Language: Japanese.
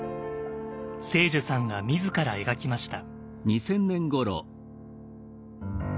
青樹さんが自ら描きました。